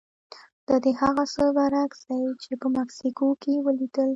دا د هغه څه برعکس دي چې په مکسیکو کې ولیدل.